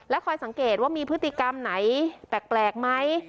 คอยสังเกตว่ามีพฤติกรรมไหนแปลกไหม